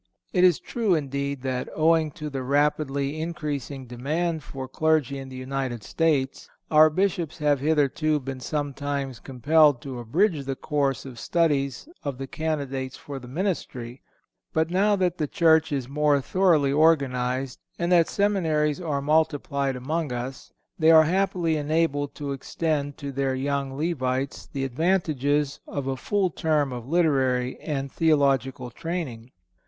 It is true, indeed, that, owing to the rapidly increasing demand for clergy in the United States, our Bishops have hitherto been sometimes compelled to abridge the course of studies of the candidates for the ministry; but now that the Church is more thoroughly organized, and that seminaries are multiplied among us, they are happily enabled to extend to their young levites the advantages of a full term of literary and theological training.